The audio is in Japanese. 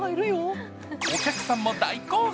お客さんも大興奮。